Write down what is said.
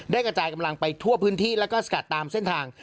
กระจายกำลังไปทั่วพื้นที่แล้วก็สกัดตามเส้นทาง